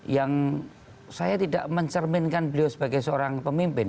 yang saya tidak mencerminkan beliau sebagai seorang pemimpin